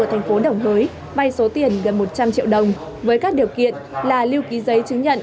ở thành phố đồng hới vay số tiền gần một trăm linh triệu đồng với các điều kiện là lưu ký giấy chứng nhận